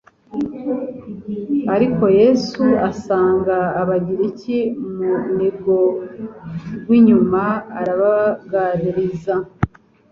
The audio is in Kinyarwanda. ariko Yesu asanga abagiriki mu nigo rw'inyuma arabaganiriza.